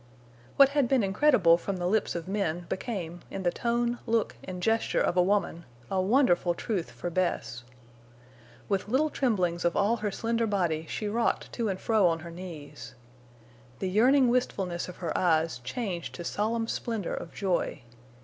What had been incredible from the lips of men became, in the tone, look, and gesture of a woman, a wonderful truth for Bess. With little tremblings of all her slender body she rocked to and fro on her knees. The yearning wistfulness of her eyes changed to solemn splendor of joy.